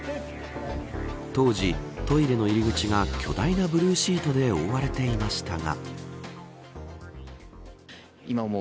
当時トイレの入り口が巨大なブルーシートで覆われていましたが。